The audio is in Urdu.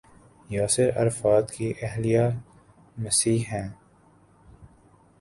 یاسر عرفات کی اہلیہ مسیحی ہیں۔